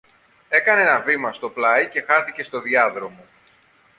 έκανε ένα βήμα στο πλάι και χάθηκε στο διάδρομο